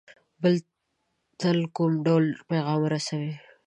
بل ته کوم ډول پیغام رسوي.